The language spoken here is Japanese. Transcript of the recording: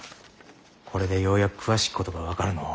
これでようやく詳しきことが分かるのう。